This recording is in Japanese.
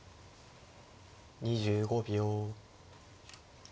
２５秒。